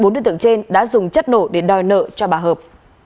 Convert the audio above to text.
bốn đối tượng trên đã dùng chất nổ để đòi nợ cho bà hợp